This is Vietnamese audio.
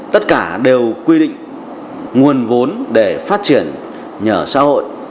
tất cả đều quy định nguồn vốn để phát triển nhà ở xã hội